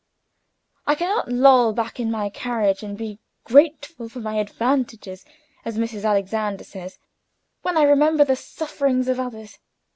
I can not loll back in my carriage and be 'grateful for my advantages,' as Mrs. Alexander says, when I remember the sufferings of others.